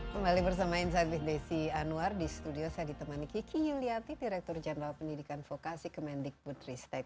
kembali bersama insight with desi anwar di studio saya ditemani kiki yuliati direktur jenderal pendidikan fokasi kemendikbud ristek